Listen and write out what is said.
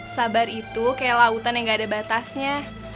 sabar itu kayak lautan yang gak ada batasnya